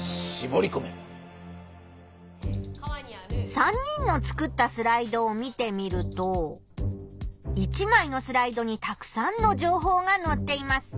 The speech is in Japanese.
３人の作ったスライドを見てみると１まいのスライドにたくさんの情報がのっています。